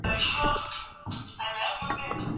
Mimba kutoka katika hatua za mwisho za ujauzito